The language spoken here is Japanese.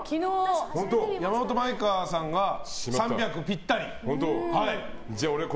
山本舞香さんが３００ピッタリ。